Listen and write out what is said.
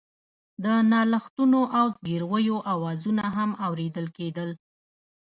د نالښتونو او زګيرويو آوازونه هم اورېدل کېدل.